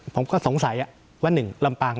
ผมก็สงสัยอะว่าหนึ่งลำปาง